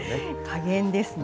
加減ですね。